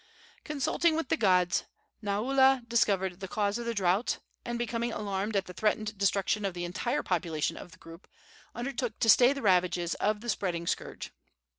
Consulting with the gods, Naula discovered the cause of the drought, and, becoming alarmed at the threatened destruction of the entire population of the group, undertook to stay the ravages of the spreading scourge.